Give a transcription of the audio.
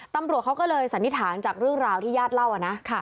ตำรวจเขาก็เลยสันนิษฐานจากเรื่องราวที่ญาติเล่านะ